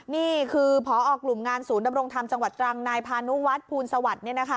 นี่คือพอกลุ่มงานศูนย์ดำรงธรรมจังหวัดตรังนายพานุวัฒน์ภูลสวัสดิ์